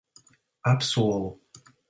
Apsolu.